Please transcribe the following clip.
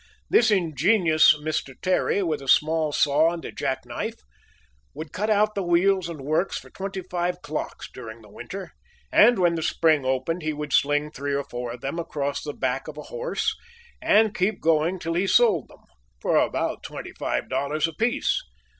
This ingenious Mr. Terry, with a small saw and a jack knife, would cut out the wheels and works for twenty five clocks during the winter, and, when the spring opened, he would sling three or four of them across the back of a horse, and keep going till he sold them, for about twenty five dollars apiece.